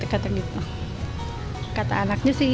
kata anaknya sih